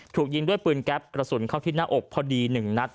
ถูกยิงด้วยปืนแก๊ปกระสุนเข้าที่หน้าอกพอดี๑นัด